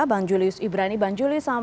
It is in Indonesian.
bang julius ibrani bang julius selamat malam